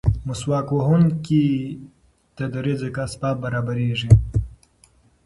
مسواک وهونکي ته د رزق اسباب برابرېږي.